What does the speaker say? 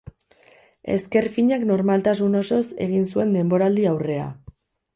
Ezker finak normaltasun osoz egin zuen denboraldi-aurrea.